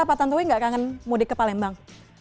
pak tantowi gak kangen mudik ke palembang